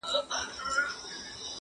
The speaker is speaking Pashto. ستا توري باښې غلیمه ټولي مقدسي دي-